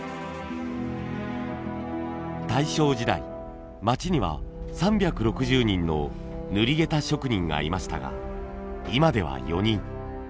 大正時代町には３６０人の塗下駄職人がいましたが今では４人。